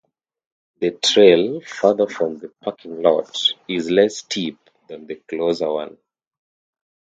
The "trail" further from the parking lot is less steep than the closer one.